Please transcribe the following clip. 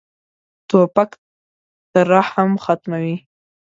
توپک ترحم ختموي.